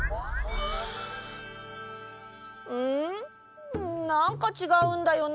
なんかちがうんだよな。